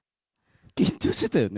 緊張してたよね？